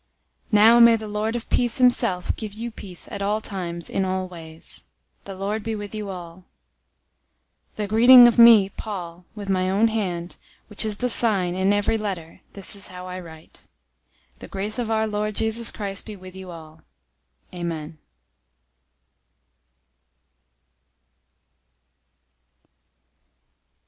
003:016 Now may the Lord of peace himself give you peace at all times in all ways. The Lord be with you all. 003:017 The greeting of me, Paul, with my own hand, which is the sign in every letter: this is how I write. 003:018 The grace of our Lord Jesus Christ be with you all. Amen.